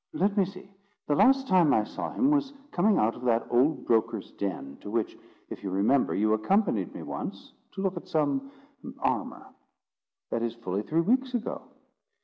Let me see; the last time I saw him he was coming out of that old broker's den, to which, if you remember, you accompanied me once, to look at some armour. That is fully three weeks ago."